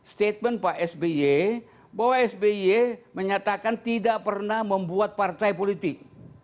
statement pak sby bahwa sby menyatakan tidak pernah membuat partai politik